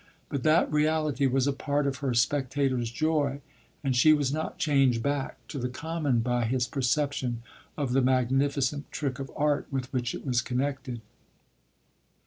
But that reality was a part of her spectator's joy, and she was not changed back to the common by his perception of the magnificent trick of art with which it was connected.